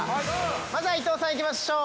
まずは伊藤さん、いきましょう。